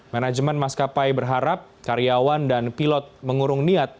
manajemen maskapai berharap karyawan dan pilot mengurung niat